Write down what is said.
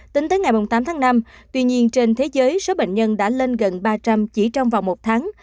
tính tới ngày tám tháng năm tuy nhiên trên thế giới số bệnh nhân đã lên gần ba trăm linh chỉ trong vòng một tháng